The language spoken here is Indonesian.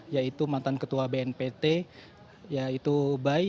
yaitu mantan ketua bnpt yaitu bayi